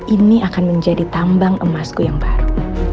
ini akan menjadi tambang emasku yang baru